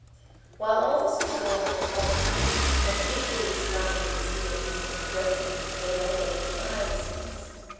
While all this was going on publicly, an equally trying experience was progressing, day by day, behind the scenes.